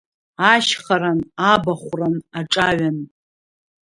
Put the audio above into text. Ашьхаран, абахәран, аҿаҩан…